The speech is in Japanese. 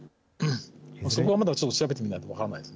そこはまだちょっと調べてみないと分からないです。